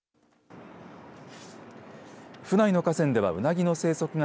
府内の河川ではうなぎの生息が